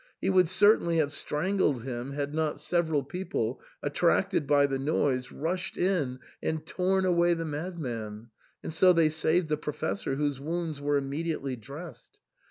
He would certainly have strangled him had not several people, attracted by the noise, rushed in and torn away the madman ; and so they saved the Professor, whose wounds were immediately dressed.